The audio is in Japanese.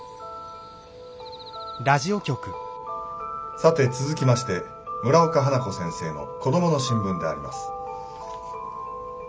さて続きまして村岡花子先生の「コドモの新聞」であります。